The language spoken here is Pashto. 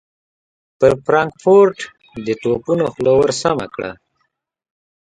پر فرانکفورټ د توپونو خوله ور سمهکړه.